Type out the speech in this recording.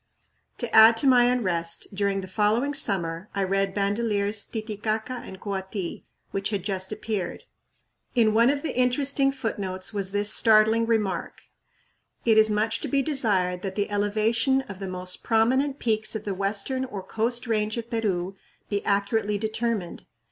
" To add to my unrest, during the following summer I read Bandelier's "Titicaca and Koati," which had just appeared. In one of the interesting footnotes was this startling remark: "It is much to be desired that the elevation of the most prominent peaks of the western or coast range of Peru be accurately determined.